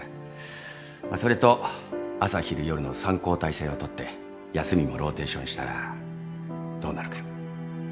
それと朝昼夜の３交代制をとって休みもローテーションしたらどうなるか。